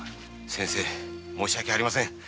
先生申し訳ありません。